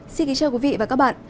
xin kính chào quý vị và các bạn